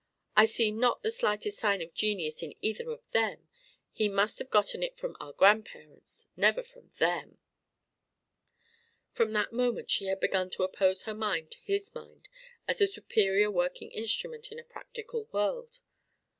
"I see not the slightest sign of genius in either of them: he must have gotten it from our grandparents never from them!" From that moment she had begun to oppose her mind to his mind as a superior working instrument in a practical world.